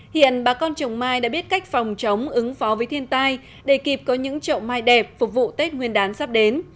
hiện bà con trồng mai đã biết cách phòng chống ứng phó với thiên tai để kịp có những chậu mai đẹp phục vụ tết nguyên đán sắp đến